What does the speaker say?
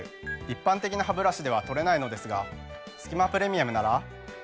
一般的なハブラシでは取れないのですが「すき間プレミアム」なら。